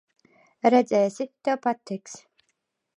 Redzēsi, tev patiks.